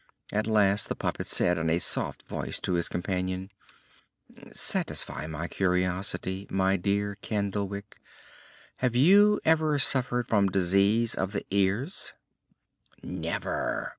At last the puppet said in a soft voice to his companion: "Satisfy my curiosity, my dear Candlewick: have you ever suffered from disease of the ears?" "Never!